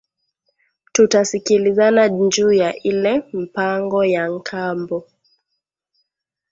Tuta sikilizana nju ya ile mpango ya nkambo